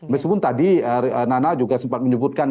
meskipun tadi nana juga sempat menyebutkan